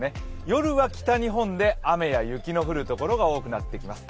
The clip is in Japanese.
夜は北日本で雨や雪の降る所が多くなってきます。